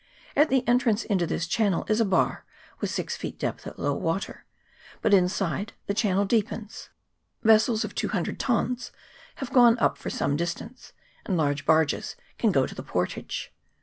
At the entrance into this channel is a bar, with six feet depth at low water, but inside the channel deepens; vessels of 200 tons have gone up for some distance, and large barges can go to the portage.